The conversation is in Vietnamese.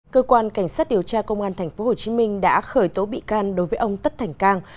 cơ quan cảnh sát điều tra công an tp hcm đã khởi tố bị can đối với ông tất thành cang